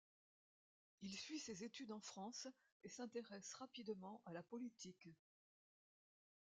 Il suit ses études en France et s'intéresse rapidement à la politique.